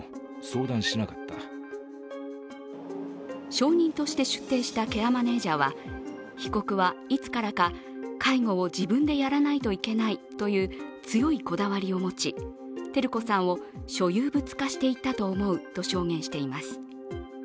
証人として出廷したケアマネージャーは被告はいつからか介護を自分でやらないといけないという強いこだわりを持ち、照子さんを所有物していったと思うと証言しています。